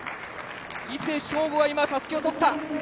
伊勢翔吾が今、たすきをとった。